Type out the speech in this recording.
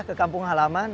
ke kampung halaman